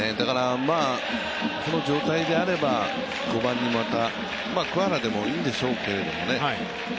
この状態であれば、５番にまた桑原でもいいんでしょうけどね。